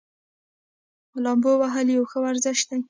لامبو وهل یو ښه ورزش دی.